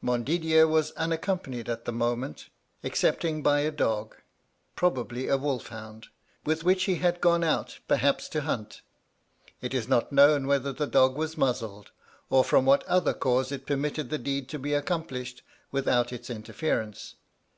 Montdidier was unaccompanied at the moment, excepting by a dog (probably a wolf hound), with which he had gone out, perhaps to hunt. It is not known whether the dog was muzzled, or from what other cause it permitted the deed to be accomplished without its interference.